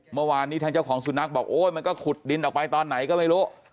เมื่อวานนี้ทางเจ้าของสุนัขบอกโอ้ยมันก็ขุดดินออกไปตอนไหนก็ไม่รู้